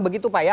begitu pak ya